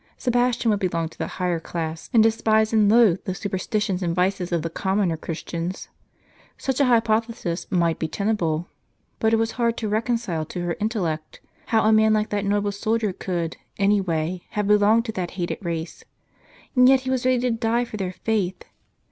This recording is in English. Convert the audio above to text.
Sebastian would belong to the higher class, and despise and loathe the superstitions and vices of the com moner Christians. Such a hypothesis might be tenable ; but it was hard to reconcile to her intellect, how a man like that noble soldier could, any way, have belonged to that hated race. And yet he was ready to die for their faith